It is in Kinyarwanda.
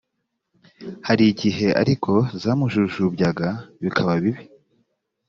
hari igihe ariko zamujujubyaga bikaba bibi.